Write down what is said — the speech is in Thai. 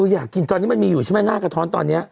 อยากกินตอนนี้มันมีอยู่ใช่ไหมหน้ากระท้อนตอนนี้